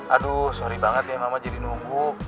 aduh sorry banget ya mama jadi nunggu